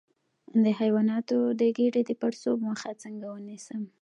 د حیواناتو د ګیډې د پړسوب مخه څنګه ونیسم؟